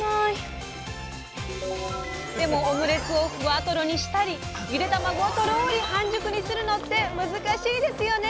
でもオムレツをふわとろにしたりゆでたまごをとろり半熟にするのって難しいですよね。